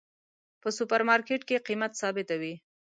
په سوپر مرکیټ کې قیمت ثابته وی